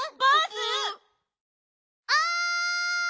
おい！